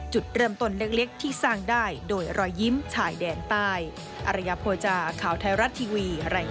จุดเริ่มต้นเล็กที่สร้างได้โดยรอยยิ้มชายแดนใต้